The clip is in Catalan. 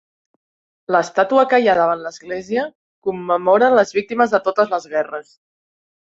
L'estàtua que hi ha davant l'església commemora les víctimes de totes les guerres.